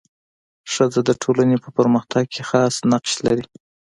ښځه د ټولني په پرمختګ کي خاص نقش لري.